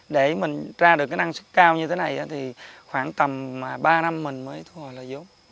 để mình ra được năng suất cao như thế này thì khoảng tầm ba năm mình mới thu hồi là vô